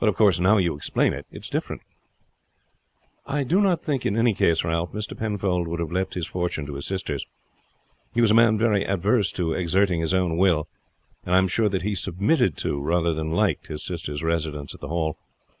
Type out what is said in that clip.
But, of course, now you explain it, it is different." "I do not think in any case, Ralph, Mr. Penfold would have left his fortune to his sisters. He was a man very averse to exerting his own will, and I am sure that he submitted to, rather than liked, his sisters' residence at the Hall.